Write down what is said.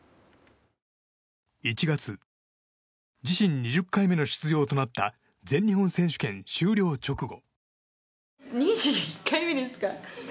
１月、自身２０回目の出場となった全日本選手権終了直後。